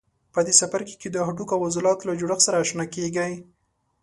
په دې څپرکي کې د هډوکو او عضلاتو له جوړښت سره آشنا کېږئ.